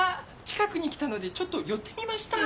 近くに来たのでちょっと寄ってみました」なんてね。